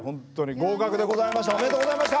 合格でございました。